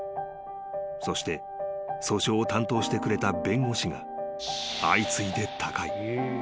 そして訴訟を担当してくれた弁護士が相次いで］